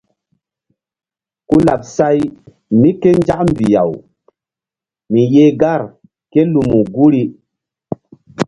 Ku laɓ say mí ké nzak mbih-aw mi yeh gar ké lumu guri.